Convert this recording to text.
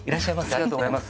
ありがとうございます。